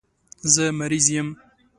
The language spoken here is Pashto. زه مریض یم